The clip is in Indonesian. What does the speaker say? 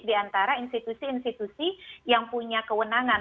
di antara institusi institusi yang punya kewenangan